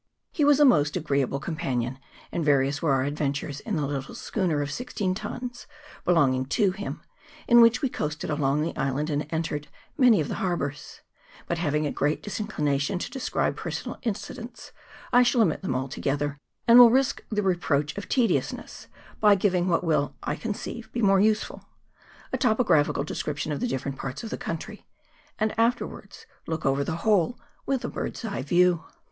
He was a most agreeable companion, and various were our adven tures in the little schooner of sixteen tons, belong ing to him, in which we coasted along the island, and entered many of the harbours ; but having a great disinclination to describe personal incidents, I shall omit them altogether, and will risk the re proach of tediousness by giving what will, I con ceive, be more useful a topographical description of the different parts of the country, and afterwards look over the whole in a bird's eye view.